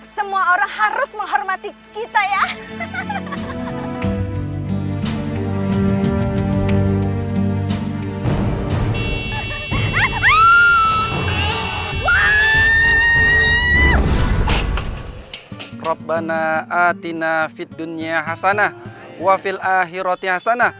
semua orang harus menghormati kita ya